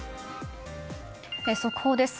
速報です。